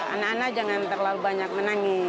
anak anak jangan terlalu banyak menangis